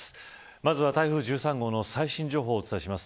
まずは台風１３号の最新情報をお伝えします。